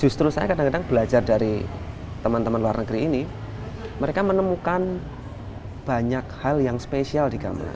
justru saya kadang kadang belajar dari teman teman luar negeri ini mereka menemukan banyak hal yang spesial di gamelan